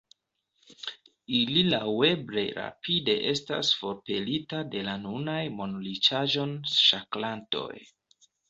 Ili laŭeble rapide estas forpelitaj de la nunaj monriĉaĵon ŝakrantoj“.